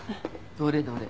どれどれ？